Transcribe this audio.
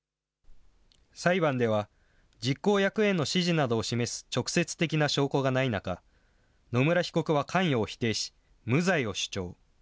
裁判では、実行役への指示などを示す直接的な証拠がない中、野村被告は関与を否定し、無罪を主張。